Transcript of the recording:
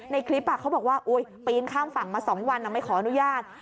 ในคลิปเขาบอกว่าปีนข้ามฝั่งมา๒วันไม่ขออนุญาต